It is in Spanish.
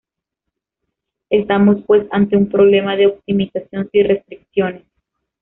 Estamos pues ante un problema de optimización sin restricciones.